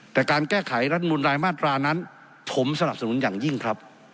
แต่การแก้ไขรัฐมนุนรายมาตรานั้นผมสนับสนุนอย่างยิ่งครับ